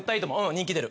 人気出る。